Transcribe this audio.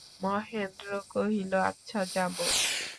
মহেন্দ্র কহিল, আচ্ছা যাব।